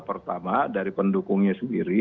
pertama dari pendukungnya sendiri